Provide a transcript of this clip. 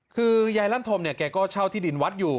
คือยายลั่นธมเนี่ยแกก็เช่าที่ดินวัดอยู่